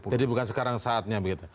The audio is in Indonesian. jadi bukan sekarang saatnya begitu